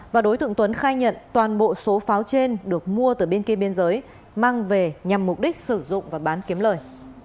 và đối tượng tuấn khai nhận toàn bộ số pháo trên được mua từ bên kia biên giới mang về nhằm mục đích sử dụng và bán kiếm lời